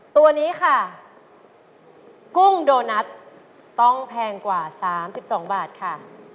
ตัวนี้ค่ะกุ้งโดนัทต้องแพงกว่า๓๒บาทค่ะ